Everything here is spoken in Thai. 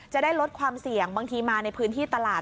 จะได้ลดความเสี่ยงบางทีมาในพื้นที่ตลาด